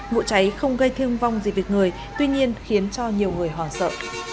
vụ cháy không gây thương vong gì việc người tuy nhiên khiến cho nhiều người hoảng sợ